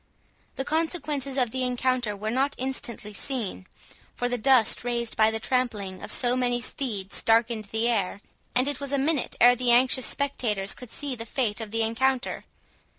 The consequences of the encounter were not instantly seen, for the dust raised by the trampling of so many steeds darkened the air, and it was a minute ere the anxious spectator could see the fate of the encounter.